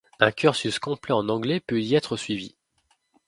Un cursus complet en anglais peut y être suivi.